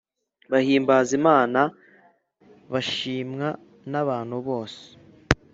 Bahimbaza imana bashimwa n abantu bose